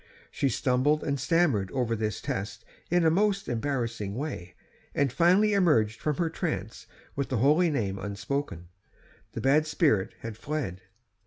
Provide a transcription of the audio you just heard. She stumbled and stammered over this test in a most embarrassing way, and finally emerged from her trance with the holy name unspoken; the bad spirit had fled.